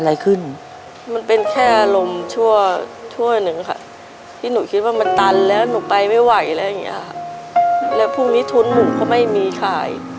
แล้วพรุ่งนี้ทุนหนูก็ไม่มีค่ะ